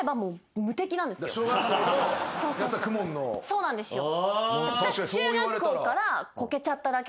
そうなんですよ。